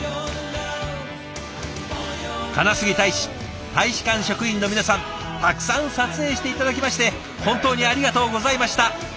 金杉大使大使館職員の皆さんたくさん撮影して頂きまして本当にありがとうございました。